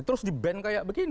terus di ban seperti ini